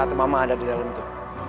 atau mama ada di dalam itu